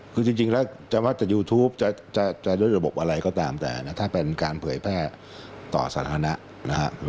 คือจริงแล้วจะว่าจะยูทูปจะด้วยระบบอะไรก็ตามแต่นะถ้าเป็นการเผยแพร่ต่อสาธารณะนะครับ